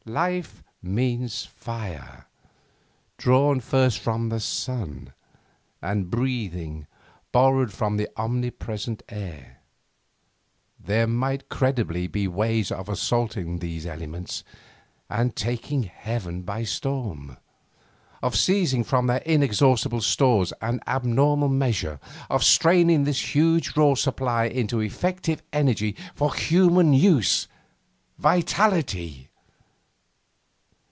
Life means fire, drawn first from the sun, and breathing, borrowed from the omnipresent air; there might credibly be ways of assaulting these elements and taking heaven by storm; of seizing from their inexhaustible stores an abnormal measure, of straining this huge raw supply into effective energy for human use vitality.